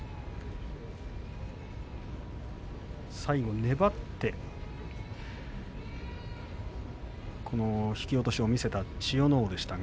最後、粘って突き落としを見せた千代ノ皇でした。